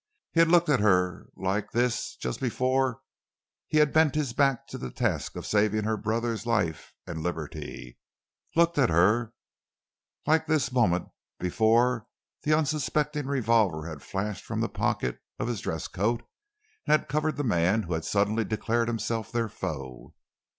He had looked at her like this just before he had bent his back to the task of saving her brother's life and liberty, looked at her like this the moment before the unsuspected revolver had flashed from the pocket of his dress coat and had covered the man who had suddenly declared himself their foe.